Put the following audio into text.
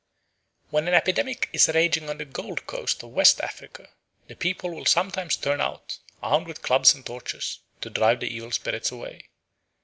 When an epidemic is raging on the Gold Coast of West Africa, the people will sometimes turn out, armed with clubs and torches, to drive the evil spirits away.